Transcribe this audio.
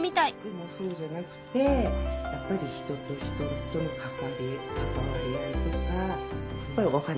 でもそうじゃなくてやっぱり人と人との関わり合いとか。